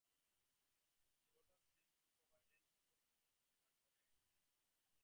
The hotel seeks to provide an "unpretentiously luxurious" experience.